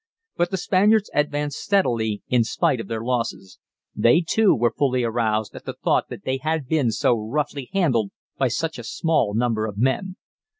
But the Spaniards advanced steadily in spite of their losses. They, too, were fully aroused at the thought that they had been so roughly handled by such a small number of men.